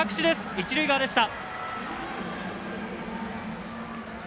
一塁側でした！